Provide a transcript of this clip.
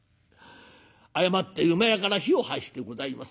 誤って厩から火を発してございます。